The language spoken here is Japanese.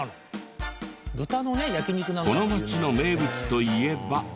この町の名物といえば。